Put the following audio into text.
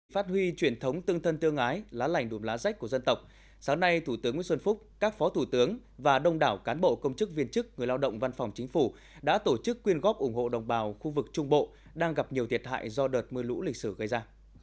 phát huy truyền thống tương thân tương ái lá lành đùm lá rách của dân tộc sáng nay thủ tướng nguyễn xuân phúc các phó thủ tướng và đông đảo cán bộ công chức viên chức người lao động văn phòng chính phủ đã tổ chức quyên góp ủng hộ đồng bào khu vực trung bộ đang gặp nhiều thiệt hại do đợt mưa lũ lịch sử gây ra